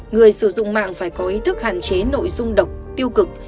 người sử dụng mạng phải có ý thức hạn chế nội dung độc tiêu cực